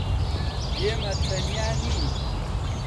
ئێمە تەنیا نین.